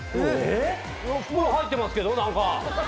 袋入ってますけど何か！